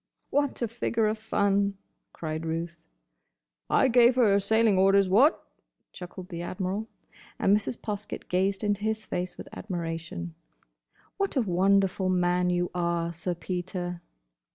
"What a figure of fun!" cried Ruth. "I gave here her sailing orders—what?" chuckled the Admiral. And Mrs. Poskett gazed into his face with admiration. "What a wonderful man you are, Sir Peter!"